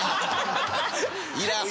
いらんな。